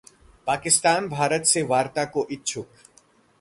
पाकिस्तान भारत से वार्ता को इच्छुक